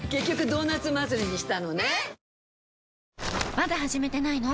まだ始めてないの？